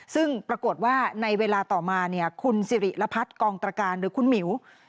ซึ่งปรากฏว่าในเวลาต่อมาเนี่ยคุณสิริรพัฒน์กองตรการหรือคุณหมิว